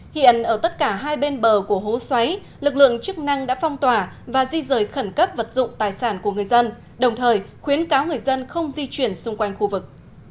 hiện ở tất cả hai bên bờ của hố xoáy lực lượng chức năng đã phong tỏa và di rời khẩn cấp vật dụng tài sản của người dân đồng thời khuyến cáo người dân không di chuyển xung quanh khu vực